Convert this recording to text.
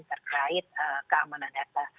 terkait keamanan data